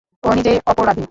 ও নিজেই অপরাধী।